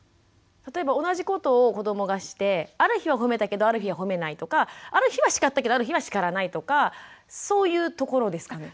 例えば同じことを子どもがしてある日は褒めたけどある日は褒めないとかある日はしかったけどある日はしからないとかそういうところですかね？